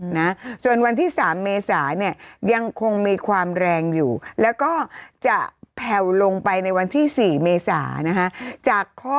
นะส่วนวันที่๓เมษาเนี่ยยังคงมีความแรงอยู่แล้วก็จะแผ่วลงไปในวันที่๔เมษานะคะ